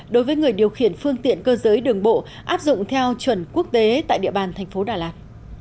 đối với người điều khiển phương tiện cơ giới đường bộ áp dụng theo chuẩn quốc tế tại địa bàn thành phố đà lạt